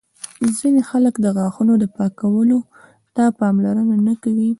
ځینې خلک د غاښونو پاکولو ته پاملرنه نه کوي.